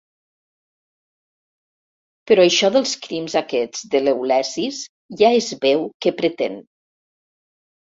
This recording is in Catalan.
Però això dels crims aquests de l'Eleusis ja es veu què pretèn.